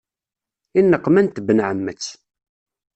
I neqma n tbenɛemmet.